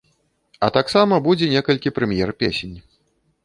А таксама будзе некалькі прэм'ер песень.